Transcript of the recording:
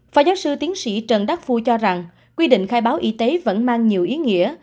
phó giáo sư tiến sĩ trần đắc phu cho rằng quy định khai báo y tế vẫn mang nhiều ý nghĩa